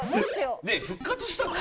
復活したの？